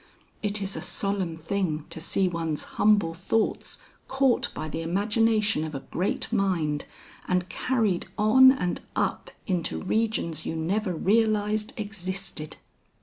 It is a solemn thing to see one's humble thoughts caught by the imagination of a great mind and carried on and up into regions you never realized existed.